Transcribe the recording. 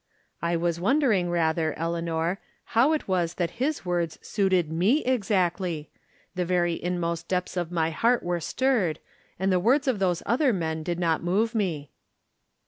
" I was wondering rather, Eleanor, how it was that his words suited me exactly ; the very in most depths of my heart were stirred, and the words of those other men did not move me."